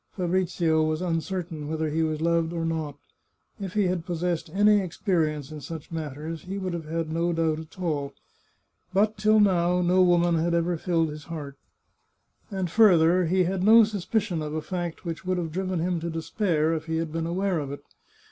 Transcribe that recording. Fabrizio was uncertain whether he was loved or not. If he had possessed any ex perience in such matters he would have had no doubt at 341 The Chartreuse of Parma all. But till now no woman had ever filled his heart. And further, he had no suspicion of a fact which would have driven him to despair, if he had been aware of it.